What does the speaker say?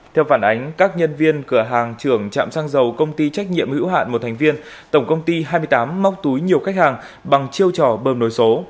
theo phản ánh các nhân viên cửa hàng trưởng trạm xăng dầu công ty trách nhiệm hữu hạn một thành viên tổng công ty hai mươi tám móc túi nhiều khách hàng bằng chiêu trò bơm nối số